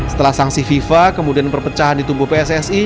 setelah sanksi fifa kemudian perpecahan di tubuh pssi